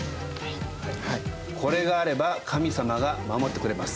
これがあれば神様が守ってくれます。